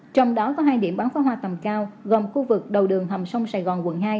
trong đó có hai điểm bắn phá hoa tầm cao gồm khu vực đầu đường hầm sông sài gòn quận hai